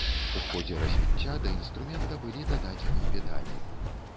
У ходзе развіцця да інструмента былі дададзены педалі.